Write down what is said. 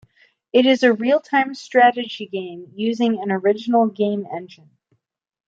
It is a real-time strategy game using an original game engine.